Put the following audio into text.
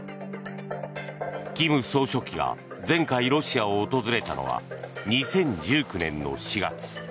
金総書記が前回、ロシアを訪れたのは２０１９年の４月。